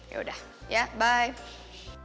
yaudah ya bye